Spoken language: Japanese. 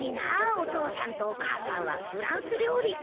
お父さんとお母さんはフランス料理か。